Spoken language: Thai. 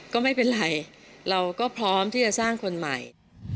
ก็ไม่เป็นไรเราก็พร้อมที่จะสร้างคนใหม่